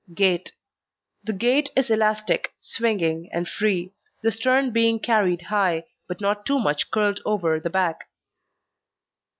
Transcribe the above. GAIT The gait is elastic, swinging, and free the stern being carried high, but not too much curled over the back.